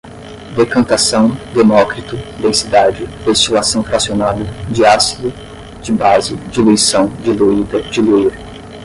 decantação, demócrito, densidade, destilação fracionada, diácido, dibase, diluição, diluída, diluir